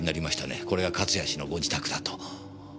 これが勝谷氏のご自宅だと。